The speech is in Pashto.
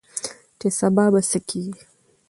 چې سبا به څه کيږي؟